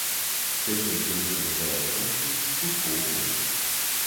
Тычынкі высунутыя з трубкі, слупкоў тры.